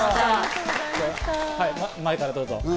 前からどうぞ。